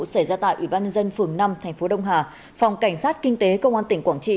xảy ra tại ủy ban nhân dân phường năm thành phố đông hà phòng cảnh sát kinh tế công an tỉnh quảng trị